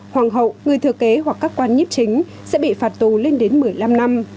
hoàng hậu người thừa kế hoặc các quan nhiếp chính sẽ bị phạt tù lên đến một mươi năm năm